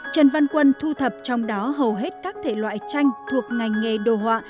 trần văn quân thu thập trong đó hầu hết các thể loại tranh thuộc ngành nghề đồ họa